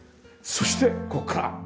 そしてここから。